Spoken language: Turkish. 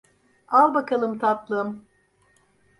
Al bakalım tatlım.